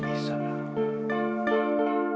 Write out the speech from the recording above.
kita speak mirp painting